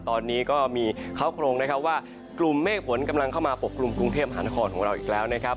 ตอนนี้ก็มีเขาโครงนะครับว่ากลุ่มเมฆฝนกำลังเข้ามาปกกลุ่มกรุงเทพหานครของเราอีกแล้วนะครับ